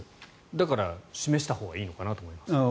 だから、示したほうがいいのかなと思います。